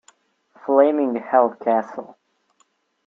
Flaming Hell Castle!